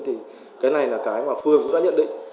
thì cái này là cái mà phương cũng đã nhận định